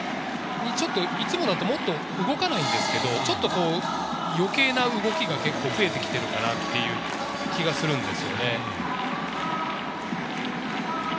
いつもだともっと動かないんですけれど、ちょっと余計な動きが増えて来ているという気がします。